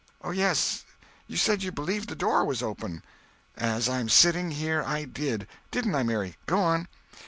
Oh, yes—you said you believed the door was open." "As I'm sitting here, I did! Didn't I, Mary! Go on!"